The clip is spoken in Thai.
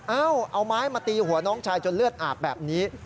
เอาไม้มาตีหัวน้องชายจนเลือดอาบแบบนี้